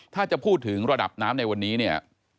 ถ้าจะพูดถึงระดับน้ำในวันนี้เนี่ย